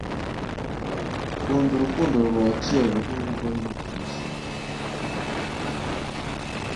Kunda urukundo rwa kera rw'ingoma ya Saturne